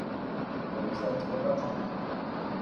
А вось зараз пабачым!